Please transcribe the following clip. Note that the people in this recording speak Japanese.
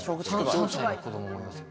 ３歳の子どももいますよ。